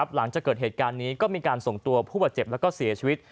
หลังจากเกิดเหตุการณ์นี้ก็มีการส่งตัวผู้บาดเจ็บแล้วก็เสียชีวิต